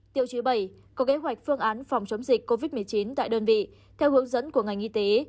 tiêu chí bảy có kế hoạch phương án phòng chống dịch covid một mươi chín tại đơn vị theo hướng dẫn của ngành y tế